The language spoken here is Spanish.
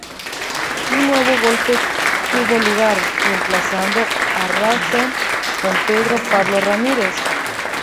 Un nuevo golpe tuvo lugar, reemplazando a Rawson con Pedro Pablo Ramírez.